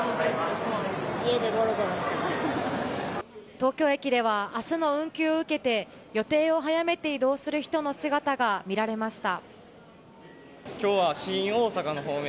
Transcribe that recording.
東京駅では明日の運休を受けて予定を早めて移動する人の姿が見られました。